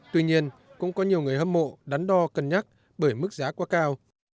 tuy nhiên cũng có nhiều người hâm mộ đắn đo cân nhắc bởi mức giá quá cao